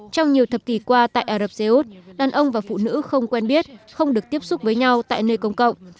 trong nhiều thập kỷ qua tại ả rập xê út đàn ông và phụ nữ không quen biết không được tiếp xúc với nhau tại nơi công cộng